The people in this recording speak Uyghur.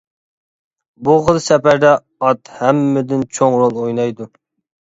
بۇ خىل سەپەردە، ئات ھەممىدىن چوڭ رول ئوينايدۇ.